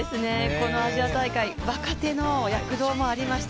このアジア大会若手の躍動もありました。